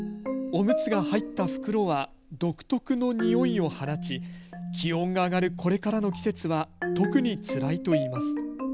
おむつが入った袋は独特のにおいを放ち、気温が上がるこれからの季節は特につらいといいます。